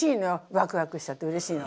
ワクワクしちゃってうれしいの。